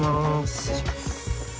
失礼します。